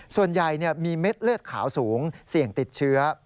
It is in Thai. ส่วนใหญ่มีเม็ดเลือดขาวสูงเสี่ยงติดเชื้อ